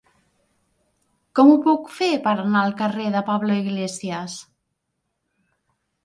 Com ho puc fer per anar al carrer de Pablo Iglesias?